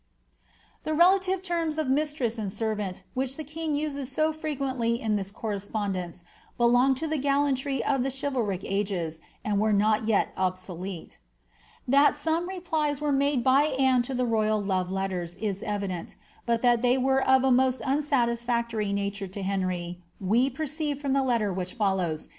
The relative terras of mistress and servant, wliich the kinr uses so frequently in this correspondence* belonged to the gallantry of the chi valric ages, and were not yet obsolete. That some replies were made by Anne to the royal love letters is evi dent, but that they were of a most unsatisfaetory nature to Henry we perceive from the letter which follows.